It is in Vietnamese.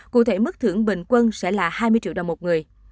cụ thể mức thưởng bình quân sẽ là hai mươi triệu đồng một người